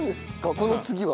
この次は。